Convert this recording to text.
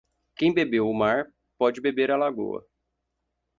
Quem bebeu o mar pode beber a lagoa.